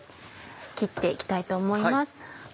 切って行きたいと思います。